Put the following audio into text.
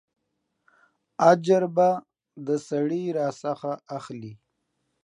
اجر به د سړي راڅخه اخلې.